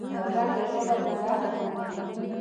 بدرنګه ژبه د زهر غوندې وي